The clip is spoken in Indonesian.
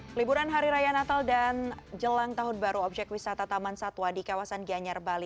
hai liburan hari raya natal dan jelang tahun baru objek wisata taman satwa di kawasan giyanyar bali